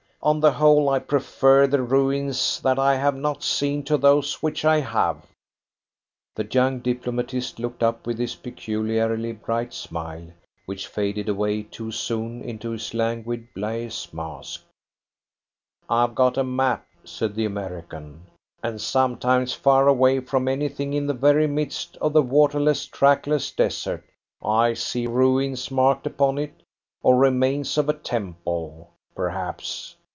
On the whole, I prefer the ruins that I have not seen to those which I have." The young diplomatist looked up with his peculiarly bright smile, which faded away too soon into his languid, blase mask. "I've got a map," said the American, "and sometimes far away from anything in the very midst of the waterless, trackless desert, I see 'ruins' marked upon it or 'remains of a temple,' perhaps.